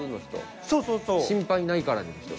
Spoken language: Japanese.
「心配ないからね」の人？